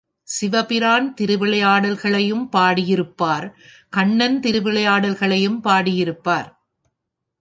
சிவ பிரான் திருவிளையாடல்களையும் பாடியிருப்பார் கண்ணன் விளையாடல்களையும் பாடியிருப்பார்.